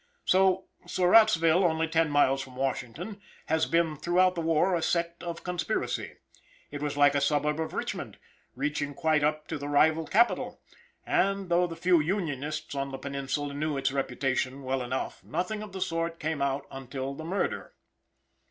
So Surrattsville only ten miles from Washington, has been throughout the war a sect of conspiracy. It was like a suburb of Richmond, reaching quite up to the rival capital; and though the few Unionists on the peninsula knew its reputation well enough, nothing of the sort came out until the murder.